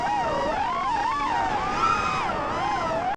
古典拉丁语。